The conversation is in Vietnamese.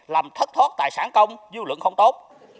làm thất thoát tài sản công dư luận không tốt